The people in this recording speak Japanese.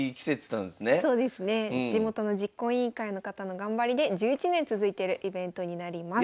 地元の実行委員会の方の頑張りで１１年続いてるイベントになります。